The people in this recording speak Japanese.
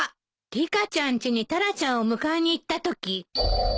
リカちゃんちにタラちゃんを迎えに行ったとき。